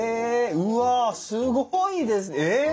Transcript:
うわすごいですえっ！